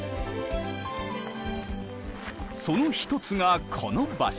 その一つがこの場所。